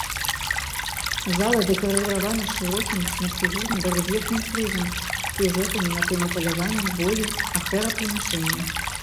Зала дэкарыравана шырокім шматфігурным барэльефным фрызам з сюжэтамі на тэмы палявання, бою, ахвярапрынашэння.